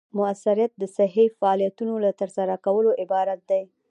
مؤثریت د صحیح فعالیتونو له ترسره کولو عبارت دی.